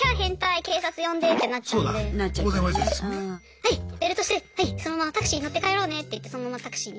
はいベルトしてはいそのままタクシー乗って帰ろうねって言ってそのままタクシーに。